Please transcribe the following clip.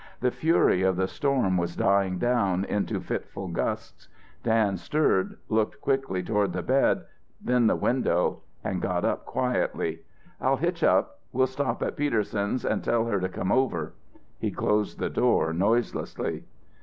The fury of the storm was dying down into fitful gusts. Dan stirred, looked quickly toward the bed, then the window, and got up quietly. "I'll hitch up. We'll stop at Peterson's and tell her to come over." He closed the door noiselessly.